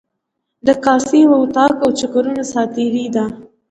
د کاسې، وطاق او چکرونو ساعتیري ده.